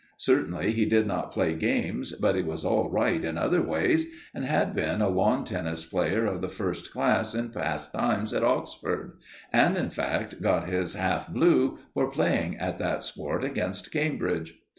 Certainly, he did not play games, but he was all right in other ways, and had been a lawn tennis player of the first class in past times at Oxford, and, in fact, got his half blue for playing at that sport against Cambridge.